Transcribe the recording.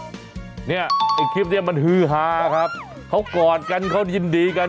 เนี่ยไอ้คลิปนี้มันฮือฮาครับเขากอดกันเขายินดีกัน